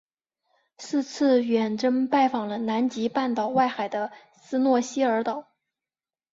是次远征拜访了南极半岛外海的斯诺希尔岛。